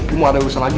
gua mau ada urusan lagi